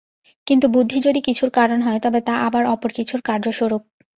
কিন্তু বুদ্ধি যদি কিছুর কারণ হয়, তবে তা আবার অপর কিছুর কার্যস্বরূপ।